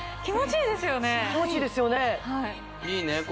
気持ちいいですよねいいね